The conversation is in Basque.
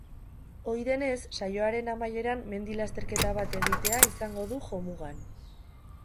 Ohi denez, saioaren amaieran, mendi-lasterketa bat egitea izango du jomugan.